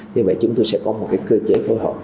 như vậy chúng tôi sẽ có một cơ chế phối hợp